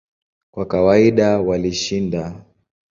Kwa kawaida walishinda.